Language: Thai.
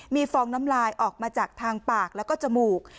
มีฟองน้ำลายออกมาจากทางปากแล้วก็จมูก